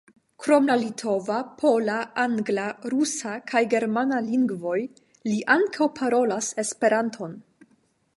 Krom la litova, pola, angla, rusa kaj germana lingvoj, li ankaŭ parolas Esperanton.